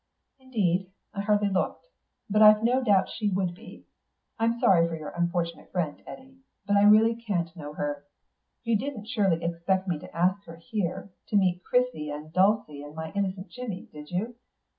"Indeed, I hardly looked. But I've no doubt she would be. I'm sorry for your unfortunate friend, Eddy, but I really can't know her. You didn't surely expect me to ask her here, to meet Chrissie and Dulcie and my innocent Jimmy, did you?